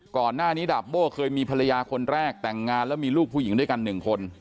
ก่อนหน้านี้ดาบโบ้เคยมีภรรยาคนแรกแต่งงานแล้วมีลูกผู้หญิงด้วยกันหนึ่งคน